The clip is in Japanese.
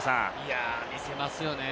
見せますよね。